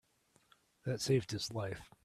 That saved his life.